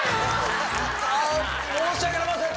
あ申し訳ありません。